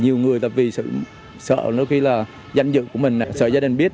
nhiều người vì sợ đôi khi là danh dự của mình sợ gia đình biết